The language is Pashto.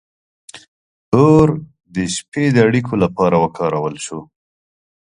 • اور د شپې د اړیکو لپاره وکارول شو.